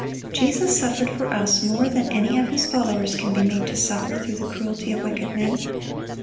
(66) Jesus suffered for us more than any of His followers can be made to suffer through the cruelty of wicked men.